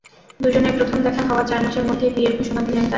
দুজনের প্রথম দেখা হওয়ার চার মাসের মধ্যেই বিয়ের ঘোষণা দিলেন তাঁরা।